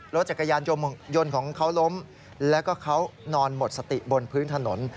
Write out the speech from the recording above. รถจักรยานยนต์ของเขาล้มแล้วก็เขานอนหมดสติบนพื้นถนน